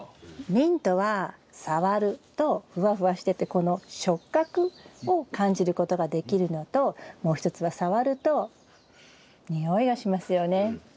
ミントは触るとふわふわしててこの触覚を感じることができるのともう一つは触ると匂いがしますよね。